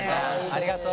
ありがとう。